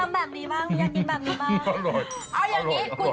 อยากทำแบบนี้บ้างอยากกินแบบนี้บ้าง